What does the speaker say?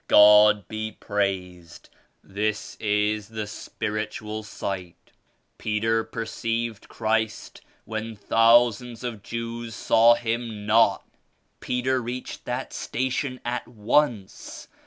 God be praised! This is the Spiritual Sight. Petei perceived Christ when thousands of Jews saw Him not. Peter reached that Station at once.